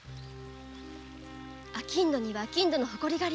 商人には商人の誇りがあります。